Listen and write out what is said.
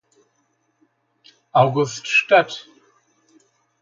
August statt.